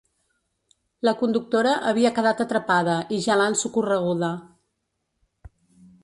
La conductora havia quedat atrapada i ja l’han socorreguda.